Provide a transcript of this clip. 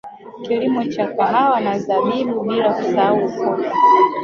Kilimo cha kahawa na zabibu bila kusahau ufuta